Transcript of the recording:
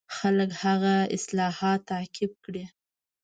خلک هغه اصلاحات تعقیب کړي.